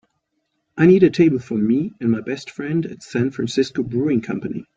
I need a table for me and my best friend at San Francisco Brewing Company.